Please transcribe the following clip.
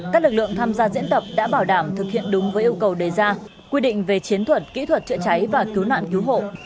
các lực lượng tham gia diễn tập đã bảo đảm thực hiện đúng với yêu cầu đề ra quy định về chiến thuật kỹ thuật chữa cháy và cứu nạn cứu hộ